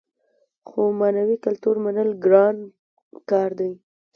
خو معنوي کلتور منل ګران کار دی.